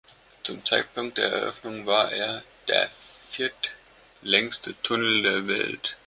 Zum Zeitpunkt der Eröffnung war er der viertlängste Tunnel der Welt.